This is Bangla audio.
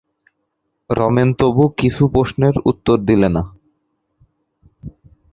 রমেন তবু কিছু উত্তর দিলে না।